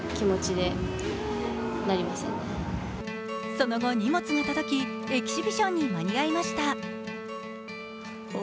その後、荷物が届きエキシビションに間に合いました。